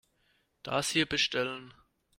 Das hier bestellen.